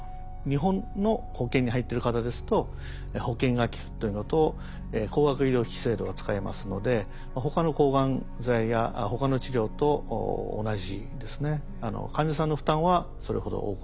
日本の保険に入ってる方ですと保険がきくというのと高額医療費制度が使えますので他の抗がん剤や他の治療と同じですね。